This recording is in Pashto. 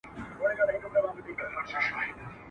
يعقوب عليه السلام ورته وايي.